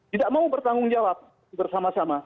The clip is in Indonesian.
tidak mau bertanggung jawab bersama sama